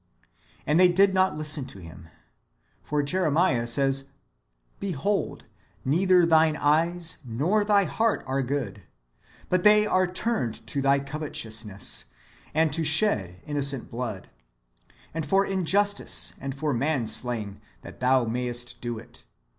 "^ And they did not listen to Him. For Jeremiah says, "Behold, neither thine eyes nor thy heart are good ; but [they are turned] to thy covetousness, and to shed innocent blood, and for in justice, and for man slaying, that thou mayest do it."